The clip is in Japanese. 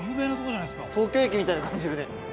東京駅みたいに感じるね。